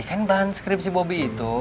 kan bahan skripsi bobi itu